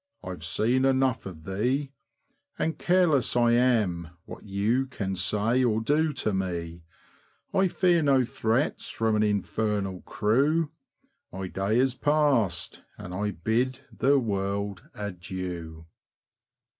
. I've seen enough of thee; And careless I am what you Can say or do to me; I fear no threats from An infernal crew, — My day is past, and I bid The world adieu.